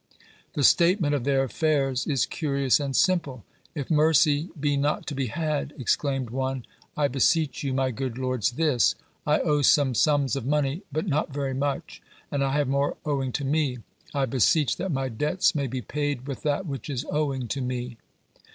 The statement of their affairs is curious and simple. "If mercy be not to be had," exclaimed one, "I beseech you, my good lords, this; I owe some sums of money, but not very much, and I have more owing to me; I beseech that my debts may be paid with that which is owing to me."